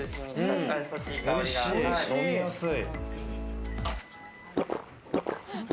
飲みやすい。